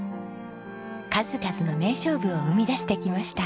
数々の名勝負を生み出してきました。